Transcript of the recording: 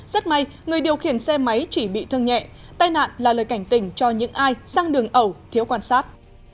rất may người điều khiển xe máy chỉ bị thương nhẹ tai nạn là lời cảnh tỉnh cho những ai sang đường ẩu thiếu quan sát